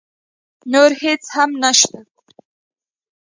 نور هېڅ هم نه شته.